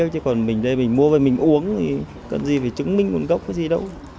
chứ còn mình đây mình mua và mình uống thì cần gì phải chứng minh một gốc có gì đâu